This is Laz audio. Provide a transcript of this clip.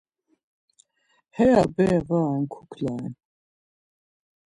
Heya bere va ren, kukla ren.